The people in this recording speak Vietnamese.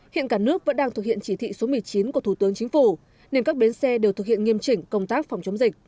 hiện cả nước vẫn đang thực hiện chỉ thị số một mươi chín của thủ tướng chính phủ nên các bến xe đều thực hiện nghiêm chỉnh công tác phòng chống dịch